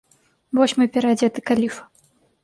Вось мой пераадзеты каліф!